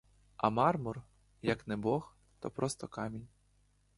А мармур — як не бог, то просто камінь.